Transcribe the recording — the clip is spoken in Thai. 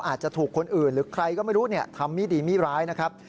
อาจจะถูกคนอื่นหรือใครก็ไม่รู้ทำไม่ดีไม่ร้ายนะครับ